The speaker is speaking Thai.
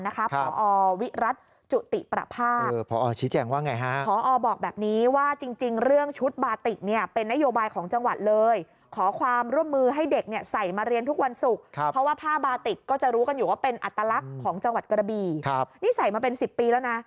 ของจังหวัดกระบีนี่ใส่มาเป็น๑๐ปีแล้วนะ